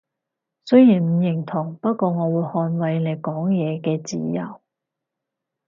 雖然唔認同，不過我會捍衛你講嘢嘅自由